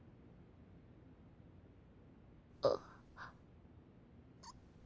あっ。